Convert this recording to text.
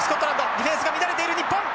ディフェンスが乱れている日本。